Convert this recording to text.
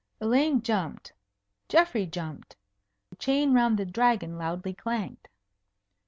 Elaine jumped. Geoffrey jumped. The chain round the Dragon loudly clanked.